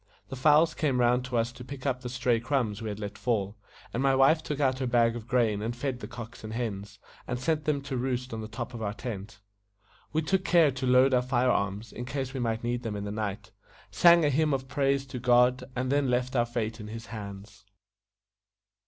The fowls came round us to pick up the stray crumbs we had let fall, and my wife took out her bag of grain and fed the cocks and hens, and sent them to roost on the top of our tent. We took care to load our fire arms, in case we might need them in the night; sang a hymn of praise to God, and then left our fate in His hands.